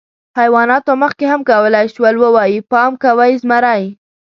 حیواناتو مخکې هم کولی شول، ووایي: «پام کوئ، زمری!».